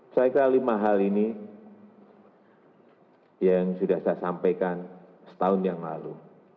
saya kira lima hal ini yang sudah saya sampaikan setahun yang lalu